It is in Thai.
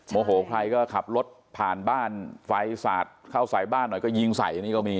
โมโหใครก็ขับรถผ่านบ้านไฟสาดเข้าใส่บ้านหน่อยก็ยิงใส่นี่ก็มี